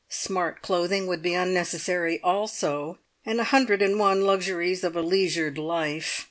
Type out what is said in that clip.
Smart clothing would be unnecessary also, and a hundred and one luxuries of a leisured life.